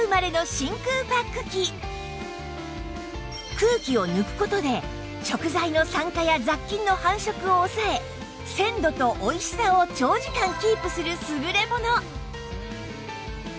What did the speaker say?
空気を抜く事で食材の酸化や雑菌の繁殖を抑え鮮度とおいしさを長時間キープする優れもの